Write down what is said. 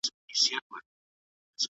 خدایه مور مه کړې پر داسي جانان بوره .